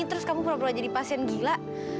terus kamu pura pura jadi pasien gila